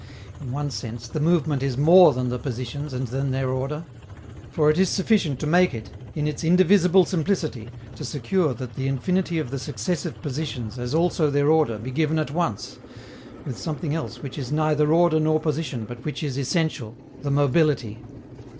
In one sense, the movement is more than the positions and than their order; for it is sufficient to make it in its indivisible simplicity to secure that the infinity of the successive positions as also their order be given at once with something else which is neither order nor position but which is essential, the mobility.